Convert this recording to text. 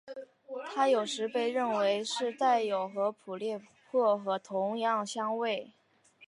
它有时候被认为是带有和普列薄荷同样香味。